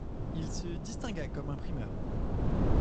Il se distingua comme imprimeur.